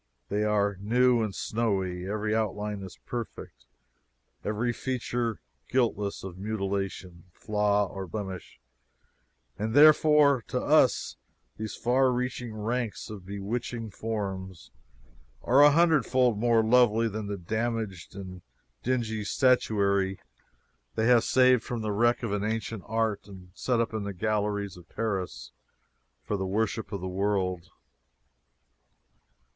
They are new and snowy; every outline is perfect, every feature guiltless of mutilation, flaw, or blemish; and therefore, to us these far reaching ranks of bewitching forms are a hundred fold more lovely than the damaged and dingy statuary they have saved from the wreck of ancient art and set up in the galleries of Paris for the worship of the world.